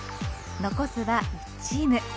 残すは１チーム。